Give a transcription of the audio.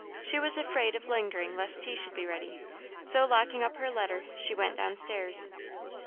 She was afraid of lingering lest tea should be ready, so, locking up her letter, she went down stairs.